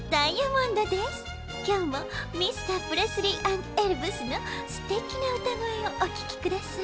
きょうもミスタープレスリー＆エルヴスのすてきなうたごえをおききください。